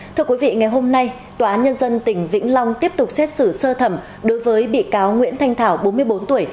thưa quý vị ngày hôm nay tòa án nhân dân tỉnh vĩnh long tiếp tục xét xử sơ thẩm đối với bị cáo nguyễn thanh thảo bốn mươi bốn tuổi